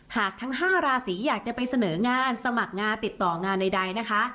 หากทั้ง๕ราศีอยากจะไปเสนองานสมัครงานติดต่องานใดนะคะ